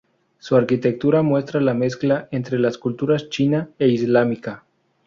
Su arquitectura muestra la mezcla entre las culturas china e islámica.